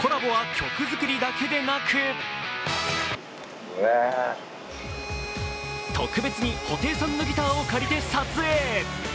コラボは曲作りだけでなく特別に布袋さんのギターを借りて撮影。